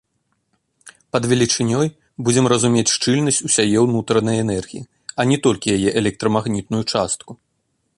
Пад велічынёй будзем разумець шчыльнасць усяе ўнутранай энергіі, а не толькі яе электрамагнітную частку.